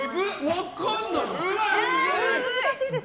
分かんないよ。